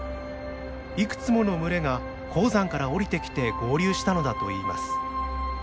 いくつもの群れが高山から下りてきて合流したのだといいます。